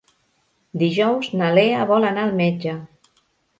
Dijous na Lea vol anar al metge.